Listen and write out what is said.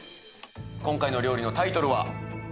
今回の料理のタイトルは？